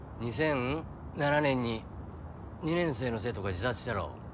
２００７年に２年生の生徒が自殺したろ。